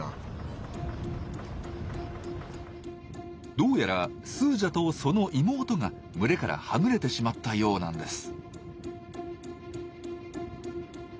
どうやらスージャとその妹が群れからはぐれてしまったようなんです。